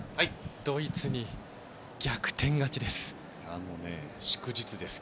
ドイツに逆転勝ちです。